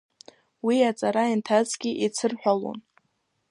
Уи аҵара ианҭазгьы еицырҳәалон.